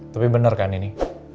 tapi bener kan ini